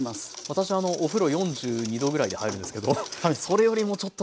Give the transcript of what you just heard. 私お風呂４２℃ぐらいで入るんですけどそれよりもちょっと。